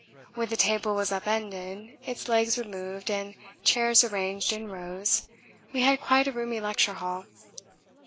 When the table was upended, its legs removed, and chairs arranged in rows, we had quite a roomy lecture hall.